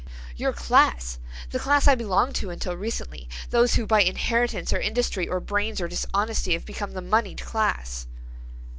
"Your class; the class I belonged to until recently; those who by inheritance or industry or brains or dishonesty have become the moneyed class."